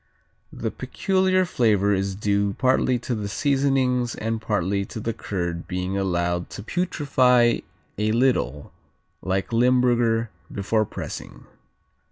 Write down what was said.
The peculiar flavor is due partly to the seasonings and partly to the curd being allowed to putrify a little, like Limburger, before pressing.